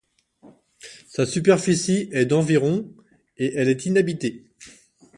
Sa superficie est d'environ et elle est inhabitée.